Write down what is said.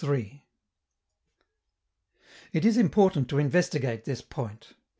It is important to investigate this point.